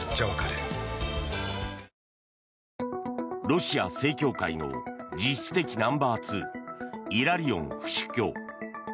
ロシア正教会の実質的ナンバーツーイラリオン府主教。